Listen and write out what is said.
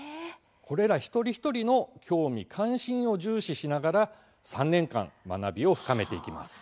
これら、一人一人の興味、関心を重視しながら３年間、学びを深めていきます。